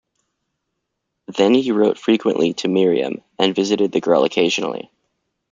Then he wrote frequently to Miriam, and visited the girl occasionally.